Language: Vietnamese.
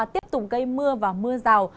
tiếp tục gây mưa và mưa rào